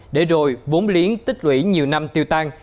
để rồi vốn liếng tích lũy nhiều năm tiêu tan